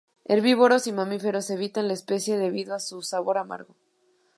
Herbívoros y mamíferos evitan la especie debido a su sabor amargo.